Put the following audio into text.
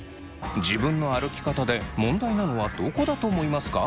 自分の歩き方で問題なのはどこだと思いますか？